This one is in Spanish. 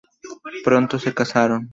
Pronto se casaron.